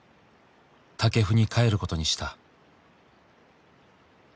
「武生に帰ることにした」